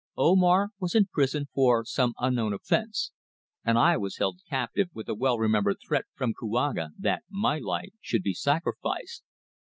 Omar was in prison for some unknown offence, and I was held captive with a well remembered threat from Kouaga that my life should be sacrificed.